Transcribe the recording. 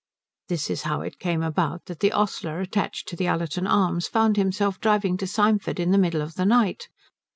This is how it came about that the ostler attached to the Ullerton Arms found himself driving to Symford in the middle of the night.